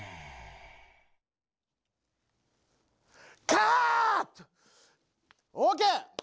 カット！ＯＫ！